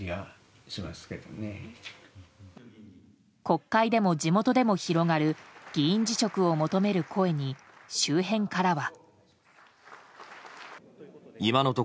国会でも地元でも広がる議員辞職を求める声に周辺からは。